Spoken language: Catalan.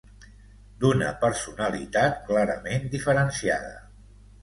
d'una personalitat clarament diferenciada